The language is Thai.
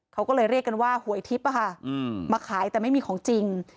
เขาก็เลยเรียกกันว่าหวยทิพย์มาขายแต่ไม่มีของจริง